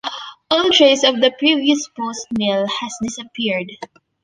All trace of a previous post mill has disappeared.